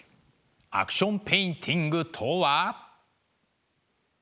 アクションペインティングとは。